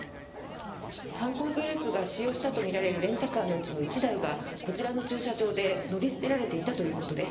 犯行グループが使用したとみられるレンタカーの１台がこちらの駐車場で乗り捨てられていたということです。